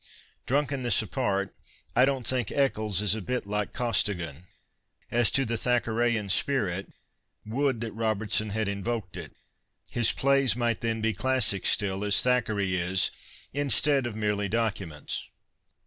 Drunkenness apart I dont think Ecclcs is a bit like Costigan. As to the Thackerayan spirit, would that Robertson had " invoked " it ! His plays might then be classics still, as Thackeray is, instead of merely documents.